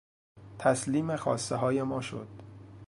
تسلیم خواستههای ما شد.